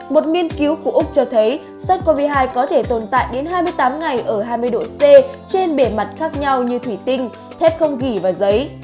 một nghiên cứu của úc cho thấy sars cov hai có thể tồn tại đến hai mươi tám ngày ở hai mươi độ c trên bề mặt khác nhau như thủy tinh thép không ghi và giấy